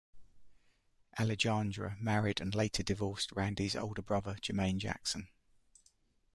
Alejandra married and later divorced Randy's older brother, Jermaine Jackson.